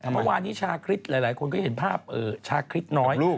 เมื่อวานนี้ชาคฤษหลายคนเห็นภาพชาคฤษน้อย